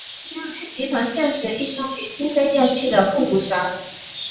集团现时亦失去新飞电器的控股权。